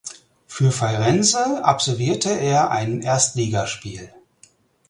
Für Feirense absolvierte er ein Erstligaspiel.